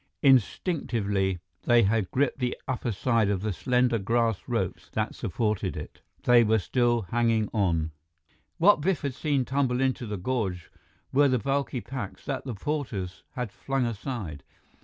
Instinctively, they had gripped the upper side and the slender grass ropes that supported it. They were still hanging on. What Biff had seen tumble into the gorge were the bulky packs that the porters had flung aside.